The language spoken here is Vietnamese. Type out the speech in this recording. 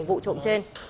vụ trộm trên